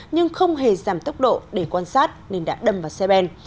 nhưng không hề giảm tốc độ để quan sát nên đã đâm vào xe ben